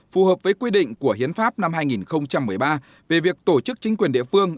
phù hợp với quy định của hiến pháp năm hai nghìn một mươi ba về việc tổ chức chính quyền địa phương